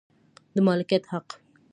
د مالکیت حق